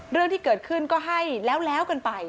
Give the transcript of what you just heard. เรื่องที่เกิดขึ้นก็ให้แล้วกันไป